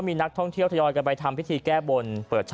มีนักท่องเที่ยวทยอยกันไปทำพิธีแก้บน